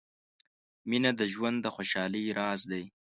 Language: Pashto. • مینه د ژوند د خوشحالۍ راز دی.